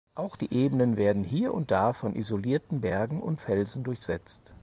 Auch die Ebenen werden hier und da von isolierten Bergen und Felsen durchsetzt.